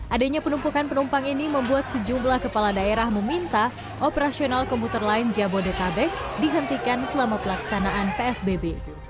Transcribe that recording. adanya penumpukan penumpang ini membuat sejumlah kepala daerah meminta operasional komputer lain jabodetabek dihentikan selama pelaksanaan psbb